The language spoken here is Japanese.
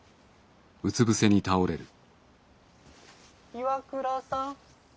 岩倉さん？